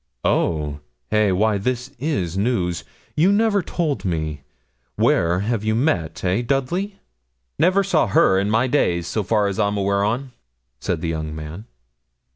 'Oh! hey! why this is news. You never told me. Where have you met eh, Dudley?' 'Never saw her in my days, so far as I'm aweer on,' said the young man.